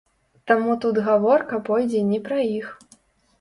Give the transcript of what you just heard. Таму тут гаворка пойдзе не пра іх.